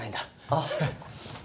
あっ！